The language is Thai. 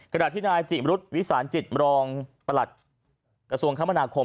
ขณะที่นายจิมรุษวิสานจิตรองประหลัดกระทรวงคมนาคม